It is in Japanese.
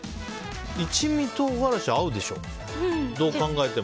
一味唐辛子、合うでしょどう考えても。